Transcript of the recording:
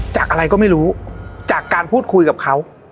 จากอะไรก็ไม่รู้จากการพูดคุยกับเขา